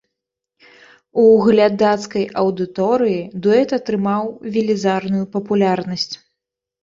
У глядацкай аўдыторыі дуэт атрымаў велізарную папулярнасць.